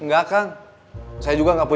gak ada yang kabur